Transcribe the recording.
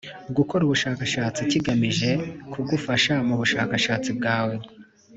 gukora ubushakashatsi kigamije kugufasha mu bushakashatsi bwawe